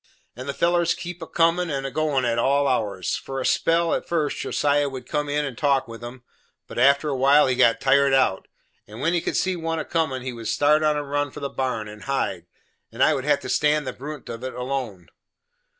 And the fellers kep' a comin' and a goin' at all hours. For a spell, at first, Josiah would come in and talk with 'em, but after a while he got tired out, and when he would see one a comin' he would start on a run for the barn, and hide, and I would have to stand the brunt of it alone.